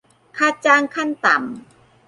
ค่าจ้างขั้นต่ำ